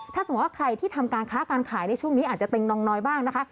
ถ้าสมมุติว่าใครที่ทำการค้าการขายในช่วงนี้อาจจะเต็งนองน้อยบ้างนะคะ